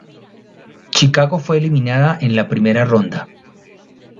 Chicago fue eliminada en la primera ronda.